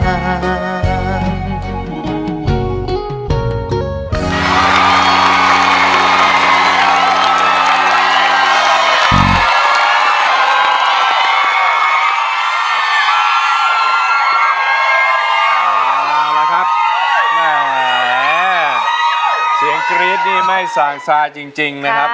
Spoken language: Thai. แหมเสียงกรี๊ดนี่ไม่สางซาจริงนะครับ